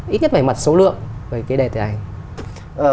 ít nhất mảnh mặt số lượng về cái đề tài này